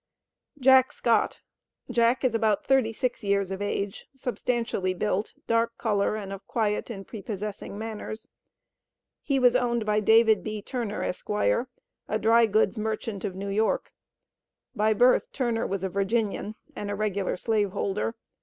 "Jack Scott." Jack is about thirty six years of age, substantially built, dark color, and of quiet and prepossessing manners. He was owned by David B. Turner, Esq., a dry goods merchant of New York. By birth, Turner was a Virginian, and a regular slave holder.